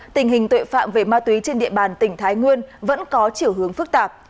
tình hình tội phạm về ma túy trên địa bàn tỉnh thái nguyên vẫn có chiều hướng phức tạp